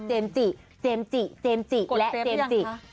เจมส์จี่เจมส์จี่เจมส์จี่และเจมส์จี่